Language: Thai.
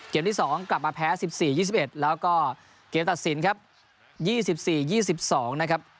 เกมที่สองกลับมาแพ้สิบสี่ยี่สิบเอ็ดแล้วก็เกมตัดสินครับยี่สิบสี่ยี่สิบสองนะครับ